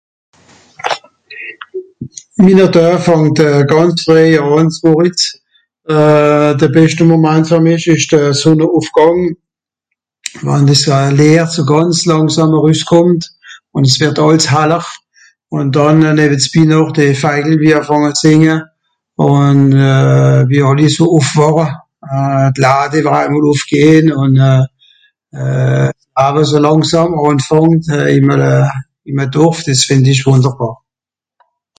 Jede Doe fàngt euh gànz rüehji àn zmorjet's. Euh... de bescht Momant fer mich ìsch de Sonneùffgàng, wann dìs Lìecht so gànz làngsàm erüsskùmmt, ùn s wìrd àls haller. Ùn dànn näwesbi noch dé Vajel wie ànfànge sìnge. Ùn euh... wie àlli so ùffwàche. Euh... (...) ìwweral ùffgehn ùn euh (...) so làngsàm (...) ìm e... ìm e Dorf dìs fìnd ìch wùnderbàr.